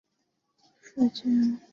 出身于演艺世家。